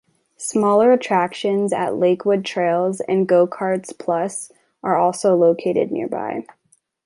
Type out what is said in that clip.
Smaller attractions at Lakewood Trails and Go-Karts Plus are also located nearby.